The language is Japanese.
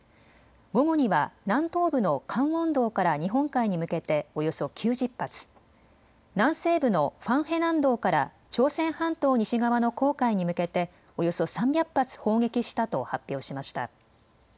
午後には南東部のカンウォン道から日本海に向けておよそ９０発、南西部のファンヘ南道から朝鮮半島西側の黄海に向けておよそ３００発砲撃したと発表しました。